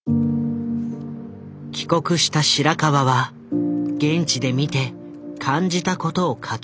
帰国した白川は現地で見て感じたことを書き始めた。